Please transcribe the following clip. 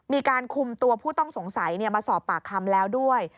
มีการคุมตัวผู้ต้องสงสัยมาสอบปากคำแล้วด้วย